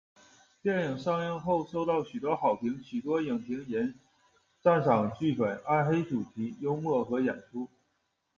电影上映后收到许多好评，许多影评人赞赏剧本、暗黑主题、幽默和演出。